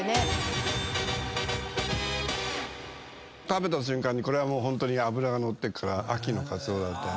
食べた瞬間にこれはホントに脂が乗ってっから秋のカツオだって。